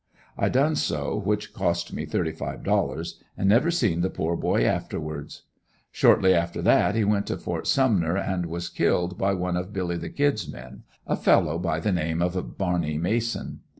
I done so, which cost me thirty five dollars, and never seen the poor boy afterwards. Shortly after that he went to Ft. Sumner and was killed by one of "Billy the Kid's" men, a fellow by the name of Barney Mason.